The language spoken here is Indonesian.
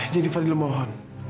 jadi fadil mohon